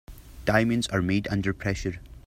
Diamonds are made under pressure.